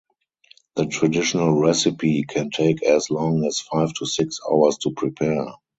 The traditional recipe can take as long as five to six hours to prepare.